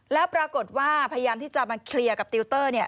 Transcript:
แล้วปรากฏว่าพยายามที่จะมาเคลียร์กับติวเตอร์